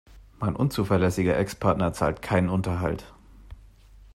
Mein unzuverlässiger Ex-Partner zahlt keinen Unterhalt.